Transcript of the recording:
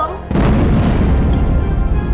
kamu tuh jahat